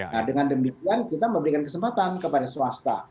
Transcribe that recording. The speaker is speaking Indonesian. nah dengan demikian kita memberikan kesempatan kepada swasta